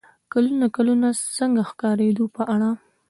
کلونه کلونه د "څنګه ښکارېدو" په اړه